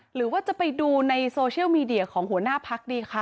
หรือว่าจะไปดูในโซเชียลมีเดียของหัวหน้าพักดีคะ